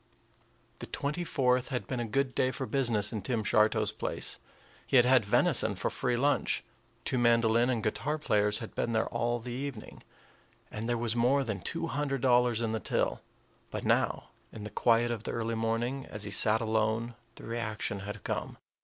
The twenty fourth had been a good day for business in Tim Shartow's place. He had had venison for free lunch; two mandolin and guitar players had been there all the evening; and there was more than two hundred dollars in the till. But now, in the quiet of the early morning, as he sat alone, the reaction had come.